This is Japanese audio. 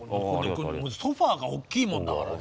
ソファーが大きいもんだからね。